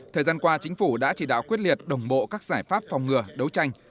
thời gian qua chính phủ đã chỉ đạo quyết liệt đồng bộ các giải pháp phòng ngừa đấu tranh